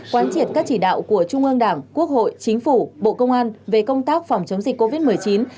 quán triệt các chỉ đạo của trung ương đảng quốc hội chính phủ bộ công an về công tác phòng chống dịch covid một mươi chín